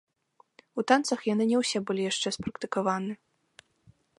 У танцах яны не ўсе былі яшчэ спрактыкаваны.